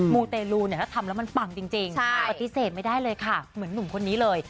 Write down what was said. มูเตลูเนี่ยถ้าทำแล้วมันปังจริงปฏิเสธไม่ได้เลยค่ะเหมือนหนุ่มคนนี้เลย